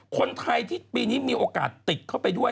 คนไทยที่ปีนี้มีโอกาสติดเข้าไปด้วย